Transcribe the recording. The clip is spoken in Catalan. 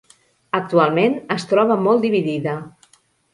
Actualment es troba molt dividida.